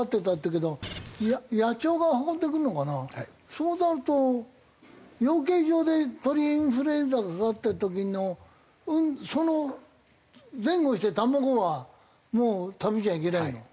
そうなると養鶏場で鳥インフルエンザかかった時のその前後してる卵はもう食べちゃいけないの？